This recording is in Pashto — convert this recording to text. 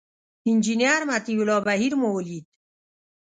انجینر مطیع الله بهیر مو ولید.